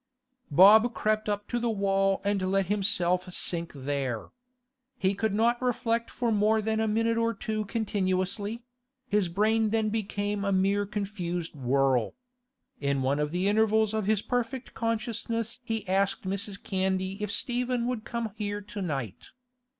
Bob crept up to the wall and let himself sink there. He could not reflect for more than a minute or two continuously; his brain then became a mere confused whirl. In one of the intervals of his perfect consciousness he asked Mrs. Candy if Stephen would come here to night.